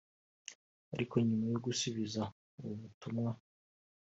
ariko nyuma yo gusubiza ubu butumwa